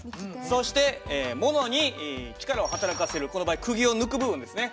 そして物に力を働かせるこの場合くぎを抜く部分ですね。